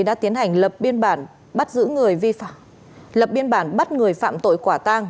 đã tiến hành lập biên bản bắt giữ người vi phạm lập biên bản bắt người phạm tội quả tang